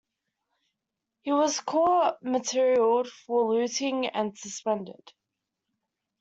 He was court-martialled for looting and suspended.